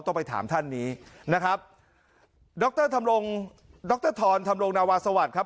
ต้องไปถามท่านนี้นะครับดรธรรมดรธรธรรมรงนาวาสวัสดิ์ครับ